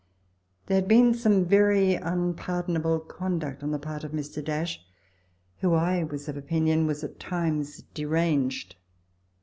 There had been some very unpardonable conduct on the part of Mr. , who, I was of opinion, was at times deranged.